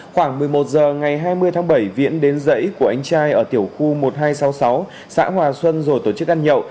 khoảng một mươi một h ngày hai mươi tháng bảy viễn đến dãy của anh trai ở tiểu khu một nghìn hai trăm sáu mươi sáu xã hòa xuân rồi tổ chức ăn nhậu